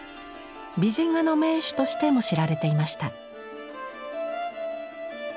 美人画の名手としても知られていました。